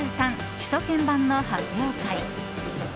首都圏版の発表会。